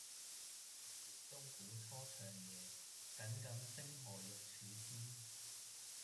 遲遲鐘鼓初長夜，耿耿星河欲曙天。